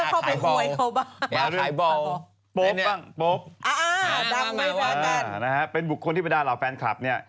พี่ก็เข้าไปโหยเขาบ้างมาดูโป๊บบ้างโป๊บนะฮะเป็นบุคคลที่ไปด้านเหล่าแฟนคลับเนี่ย